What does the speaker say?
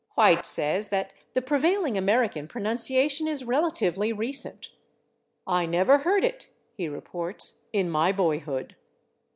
White says that the prevailing American pronunciation is relatively recent. "I never heard it," he reports, "in my boyhood."